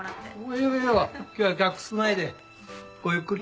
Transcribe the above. いやいや今日は客少ないでごゆっくり。